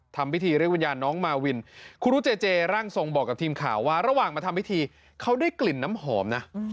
ทำพิธีเรียกวิญญาณน้องมาวินคุณรุเจเจร่างทรงบอกกับทีมข่าวว่าระหว่างมาทำพิธีเขาได้กลิ่นน้ำหอมนะ